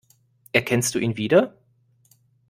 Erkennst du ihn wieder?